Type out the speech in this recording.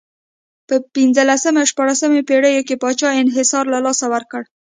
په پنځلسمې او شپاړسمې پېړیو کې پاچا انحصار له لاسه ورکړ.